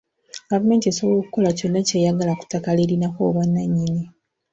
Gavumenti esobola okukola kyonna ky'eyagala ku ttaka ly'erinako obwannannyini.